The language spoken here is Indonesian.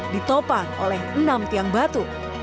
ditopang oleh enam tiang batu